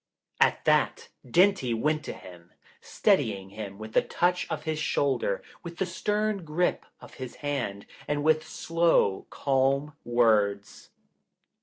At that, Dinty went to him, steadying him with the touch of his shoulder, with the stern grip of his hand and with slow, calm words.